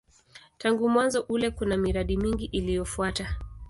Tangu mwanzo ule kuna miradi mingi iliyofuata.